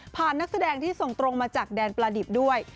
ผ่านนักแสดงที่ส่งตรงมาจากแดนประดิษฐ์ด้วย